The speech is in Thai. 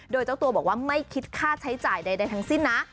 โดยเจ้าตัวบอกว่าไม่คิดค่าใช้จ่ายใดทั้งสิ้นนะ